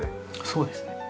そうですね。